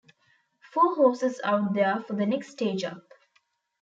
Four horses out there for the next stage up!